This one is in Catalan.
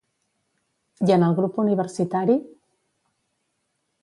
I en el grup universitari?